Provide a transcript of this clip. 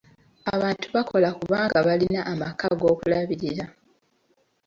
Abantu bakola kubanga balina amaka ag'okulabirira.